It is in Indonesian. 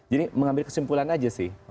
jadi mengambil kesimpulan aja sih